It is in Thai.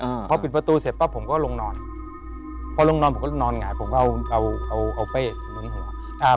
ใช่ครับพอปิดประตูเสร็จป้ะผมก็ลงนอนผมก็นอนหงายผมก็เอาเป้ดลุ้นหัว